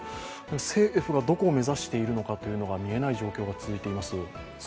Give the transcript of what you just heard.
政府がどこを目指しているのかというのが見えない状況が続いています。